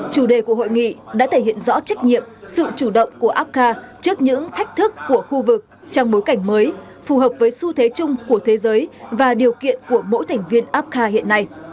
chủ đề của hội nghị đã thể hiện rõ trách nhiệm sự chủ động của apca trước những thách thức của khu vực trong bối cảnh mới phù hợp với xu thế chung của thế giới và điều kiện của mỗi thành viên apca hiện nay